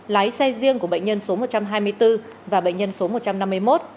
lái xe riêng của bệnh nhân số một trăm hai mươi bốn và bệnh nhân số một trăm năm mươi một